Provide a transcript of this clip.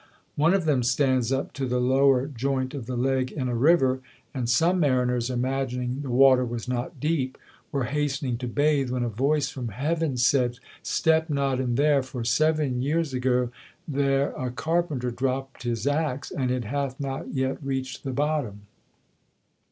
One of them stands up to the lower joint of the leg in a river, and some mariners, imagining the water was not deep, were hastening to bathe, when a voice from heaven said "Step not in there, for seven years ago there a carpenter dropped his axe, and it hath not yet reached the bottom."